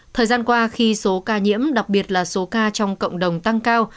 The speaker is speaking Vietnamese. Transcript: thời gian qua khi số ca nhiễm đặc biệt là số ca trong cộng đồng tăng cao